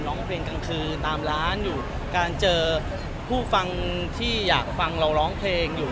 ร้องเพลงกลางคืนตามร้านอยู่การเจอผู้ฟังที่อยากฟังเราร้องเพลงอยู่